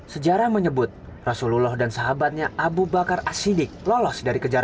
sejarah menyebut rasulullah dan sahabatnya abu bakar asyik lolos dari kejahatan